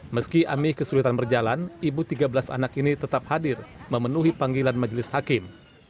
meski ami kesulitan berjalan ibu tiga belas anak ini tetap hadir memenuhi panggilan majelis hakim